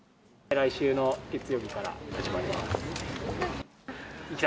来週の月曜日から始まります。